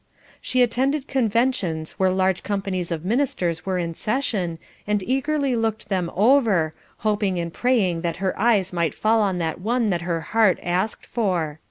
She attended conventions where large companies of ministers were in session, and eagerly looked them over, hoping and praying that her eyes might fall on that one that her heart asked for.